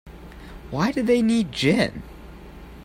Why do they need gin?